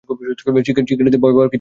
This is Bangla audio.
শিকারীদের ভয় পাওয়ার ওর কিছু নেই।